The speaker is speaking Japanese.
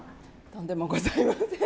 とんでもございません。